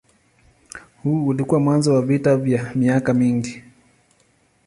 Huu ulikuwa mwanzo wa vita vya miaka mingi.